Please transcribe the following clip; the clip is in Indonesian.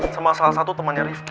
sama salah satu temannya rifki